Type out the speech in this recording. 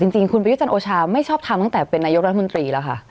จริงคุณประยุจันทร์โอชาไม่ชอบทำตั้งแต่เป็นนายกรัฐมนตรีแล้วค่ะ